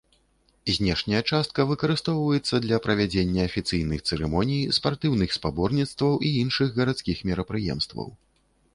Знешняя частка выкарыстоўваецца для правядзення афіцыйных цырымоній, спартыўных спаборніцтваў і іншых гарадскіх мерапрыемстваў.